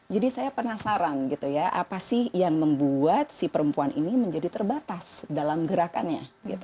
jadi saya penasaran apa sih yang membuat si perempuan ini menjadi terbatas dalam gerakannya